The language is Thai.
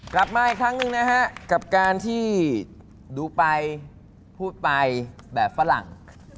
กลับมาอีกครั้งหนึ่งนะฮะกับการที่ดูไปพูดไปแบบฝรั่ง